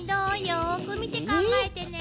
よく見て考えてね。